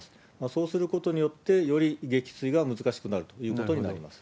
そうすることによって、より撃墜が難しくなるということになると思います。